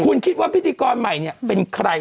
คุณคิดว่าพิธีกรใหม่เนี่ยเป็นใคร